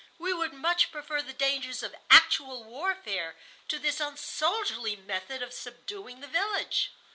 We would much prefer the dangers of actual warfare to this unsoldierly method of subduing the village."